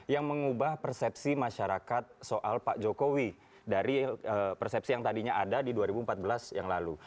yang mengubah persepsi masyarakat soal pak jokowi dari persepsi yang tadinya ada di dua ribu empat belas yang lalu